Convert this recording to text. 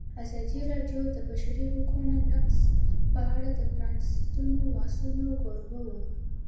ازادي راډیو د د بشري حقونو نقض په اړه د پرانیستو بحثونو کوربه وه.